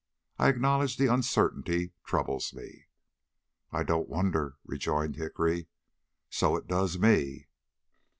I acknowledge the uncertainty troubles me." "I don't wonder," rejoined Hickory. "So it does me."